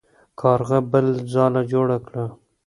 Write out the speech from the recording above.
کارغه بله ځاله جوړه کړه.